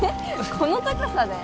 この高さで？